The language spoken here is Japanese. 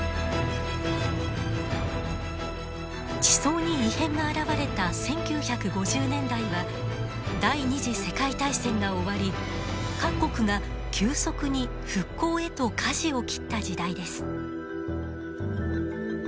地層に異変が現れた１９５０年代は第２次世界大戦が終わり各国が急速に復興へとかじを切った時代です。